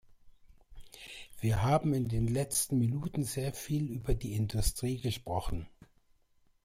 Wir haben in den letzten Minuten sehr viel über die Industrie gesprochen.